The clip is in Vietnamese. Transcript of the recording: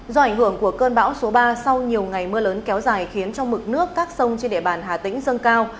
do ảnh hưởng của cơn bão số ba sau nhiều ngày mưa lớn kéo dài khiến cho mực nước các sông trên địa bàn hà tĩnh dâng cao